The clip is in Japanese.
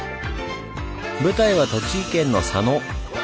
舞台は栃木県の佐野。